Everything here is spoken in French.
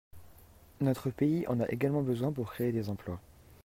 Notre pays en a également besoin pour créer des emplois.